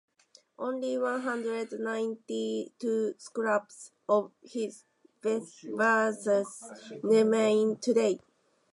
Only one hundred ninety-two scraps of his verses remain today.